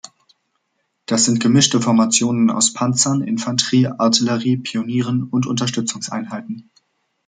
Das sind gemischte Formationen aus Panzern, Infanterie, Artillerie, Pionieren und Unterstützungseinheiten.